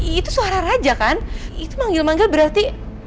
itu suara raja kan itu manggil manggil berarti